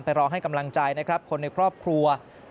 ไปรอให้กำลังใจคนในครอบครัว